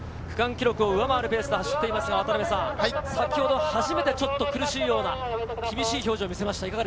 区間記録を上回るペースで走っていますが、渡辺さん、先ほど、初めてちょっと苦しいような、厳しい表情を見せました。